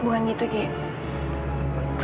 bukan gitu giku